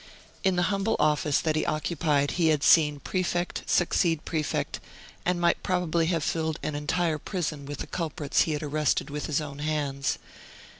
In the humble office that he occupied he had seen prefect succeed prefect, and might probably have filled an entire prison with the culprits he had arrested with his own hands.